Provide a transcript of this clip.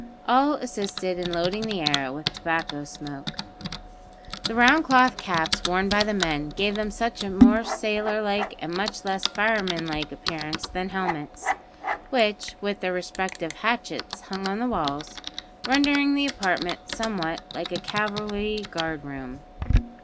All assisted in loading the air with tobacco smoke. The round cloth caps worn by the men gave them a much more sailor like and much less fireman like appearance than the helmets, which, with their respective hatchets, hung on the walls, rendering the apartment somewhat like a cavalry guard room.